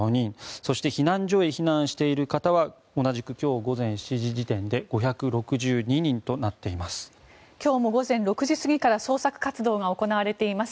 そして避難所へ避難している方は同じく今日午前７時時点で５６２人となっています。